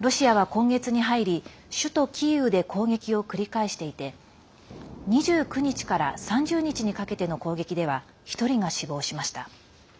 ロシアは今月に入り首都キーウで攻撃を繰り返していて２９日から３０日にかけての攻撃では１人が死亡しました。